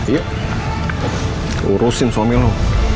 yuk urusin suami lu